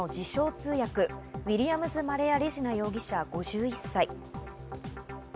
通訳、ウィリアムズ・マリア・レジナ容疑者、５１歳。